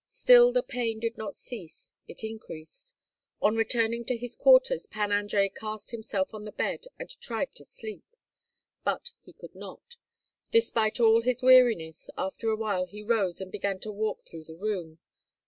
Still the pain did not cease; it increased. On returning to his quarters Pan Andrei cast himself on the bed and tried to sleep; but he could not, despite all his weariness. After a while he rose and began to walk through the room.